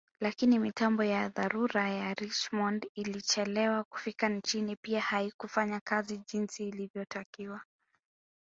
Lakini mitambo ya dharura ya Richmond ilichelewa kufika nchini pia haikufanya kazi jinsi ilivyotakiwa